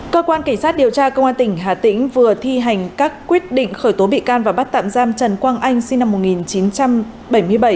cơ quan cảnh sát điều tra công an tỉnh hà tĩnh vừa thi hành các quyết định khởi tố bị can và bắt tạm giam trần quang anh sinh năm một nghìn chín trăm bảy mươi bảy